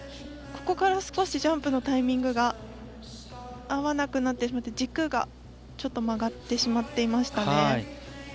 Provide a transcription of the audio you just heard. ここから少しジャンプのタイミングが合わなくなってしまって軸がちょっと曲がってしまっていましたね。